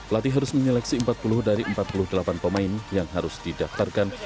latih harus menyeleksi empat puluh dari empat puluh delapan pemain yang harus didaftarkan